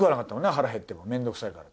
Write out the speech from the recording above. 腹減ってもめんどくさいから。